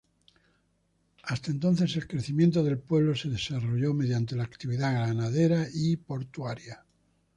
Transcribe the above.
Hasta entonces el crecimiento del pueblo se desarrolló mediante la actividad ganadera y portuaria.